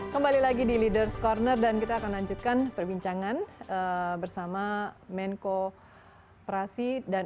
kembali lagi di leaders corner dan kita akan lanjutkan perbincangan bersama menko prasid dan